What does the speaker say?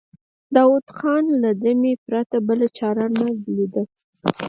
داوود خان له دمې پرته بله چاره نه ليده.